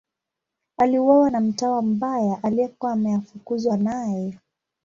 Aliuawa na mtawa mbaya aliyekuwa ameafukuzwa naye.